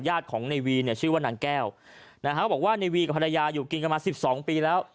ญาติของในวีชื่อว่านางแก้วบอกว่าในวีกับภรรยาอยู่กินกันมา๑๒ปีแล้ว